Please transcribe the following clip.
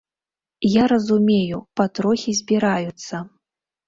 Я разумею, патрохі збіраюцца.